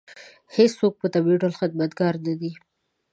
هېڅوک په طبیعي ډول خدمتګار نه دی.